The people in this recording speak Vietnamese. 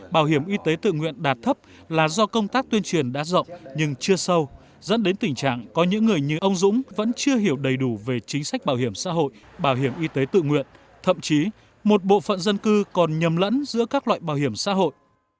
bảo hiểm y tế tự nguyện đạt thấp là do công tác tuyên truyền đã rộng nhưng chưa sâu dẫn đến tình trạng có những người như ông dũng vẫn chưa hiểu đầy đủ về chính sách bảo hiểm xã hội bảo hiểm y tế tự nguyện thậm chí một bộ phận dân cư còn nhầm lẫn giữa các loại bảo hiểm xã hội